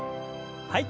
はい。